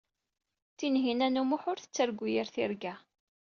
Tinhinan u Muḥ ur tettargu yir tirga.